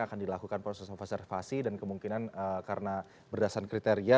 akan dilakukan proses observasi dan kemungkinan karena berdasarkan kriteria